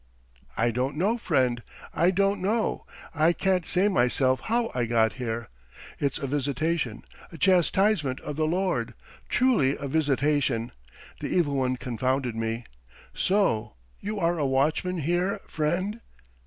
"I don't know, friend, I don't know. I can't say myself how I got here. It's a visitation. A chastisement of the Lord. Truly a visitation, the evil one confounded me. So you are a watchman here, friend?"